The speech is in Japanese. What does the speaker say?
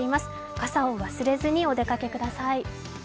傘を忘れずにお出かけください。